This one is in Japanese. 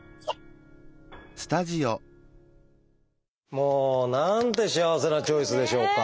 もうなんて幸せな「チョイス！」でしょうか。